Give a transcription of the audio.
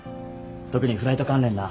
特にフライト関連な。